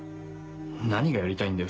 何がやりたいんだよ